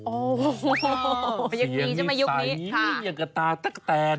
โอ้โหยังมีใสยังกระตาตักแตน